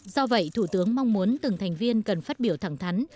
do vậy thủ tướng mong muốn từng thành viên cần phát biểu thẳng thắn